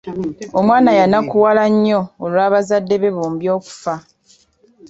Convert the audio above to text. Omwana yanakuwala nnyo olwa bazadde be bombi okufa.